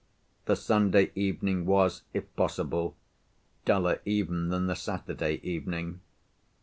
The Sunday evening was, if possible, duller even than the Saturday evening.